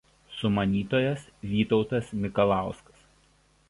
Sumanytojas Vytautas Mikalauskas.